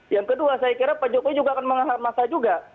yang kedua saya kira pak jokowi juga akan menghalang masa juga